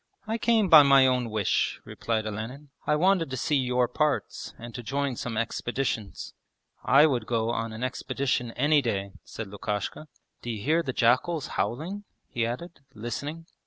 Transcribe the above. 'I came by my own wish,' replied Olenin. 'I wanted to see your parts and to join some expeditions.' 'I would go on an expedition any day,' said Lukashka. 'D'you hear the jackals howling?' he added, listening.